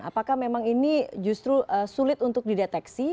apakah memang ini justru sulit untuk dideteksi